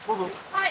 はい。